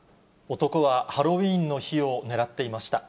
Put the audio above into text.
男はハロウィーンの日をねらっていました。